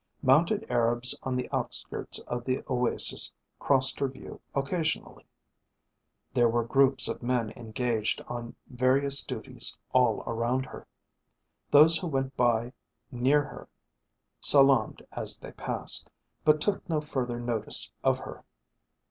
Mounted Arabs on the outskirts of the oasis crossed her view occasionally. There were groups of men engaged on various duties all around her. Those who went by near her salaamed as they passed, but took no further notice of her.